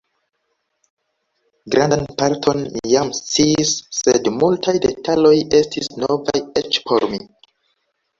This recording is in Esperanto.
Grandan parton mi jam sciis, sed multaj detaloj estis novaj eĉ por mi.